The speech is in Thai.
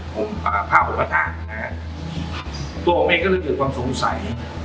ของอ่าพระอาทาตินะฮะตัวออกไหมก็เลยเกิดความสงสัย